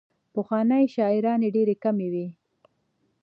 پخوانۍ شاعرانې ډېرې کمې وې.